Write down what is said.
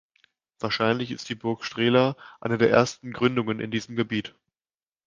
Wahrscheinlich ist die Burg Strehla eine der ersten Gründungen in diesem Gebiet.